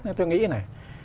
nên tôi nghĩ này